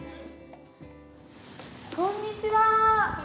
こんにちは。